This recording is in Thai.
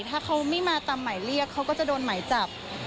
ถ้าเขาไม่มาตามหมายเรียกเขาก็จะโดนหมายจับ